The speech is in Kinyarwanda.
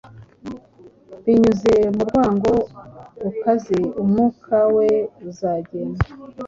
Binyuze mu rwango rukaze umwuka we uzagenda